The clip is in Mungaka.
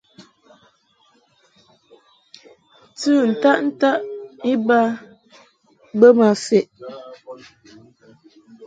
Tɨ ntaʼ ntaʼ iba bə ma feʼ.